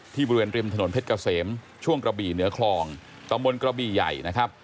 ที่บริเวณริมถนนเพชรกาเสมช่วงกระบี่เหนือคลองตรงบนกระบี่ใหญ่